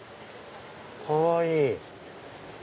かわいい。